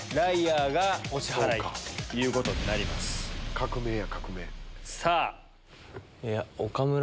革命や革命。